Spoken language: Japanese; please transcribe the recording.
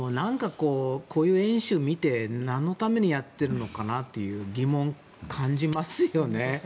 こういう演習を見てなんのためにやっているのかなという疑問を感じますよね。